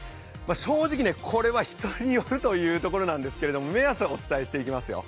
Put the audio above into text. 正直、これは人によるというところなんですけれども、目安をお伝えしていきますよ。